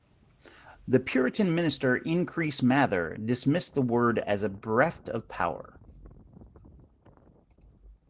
The Puritan minister Increase Mather dismissed the word as bereft of power.